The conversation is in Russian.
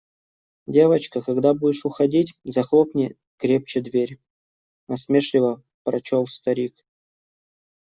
«Девочка, когда будешь уходить, захлопни крепче дверь», – насмешливо прочел старик.